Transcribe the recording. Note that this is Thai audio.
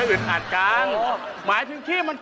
อึดอัดที่บ้าน